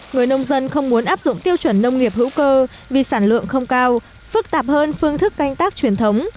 người nông dân không muốn áp dụng tiêu chuẩn nông nghiệp hữu cơ vì sản lượng không cao phức tạp hơn phương thức canh tác truyền thống